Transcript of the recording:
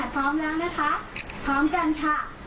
พร้อมแล้วนะคะพร้อมกันค่ะ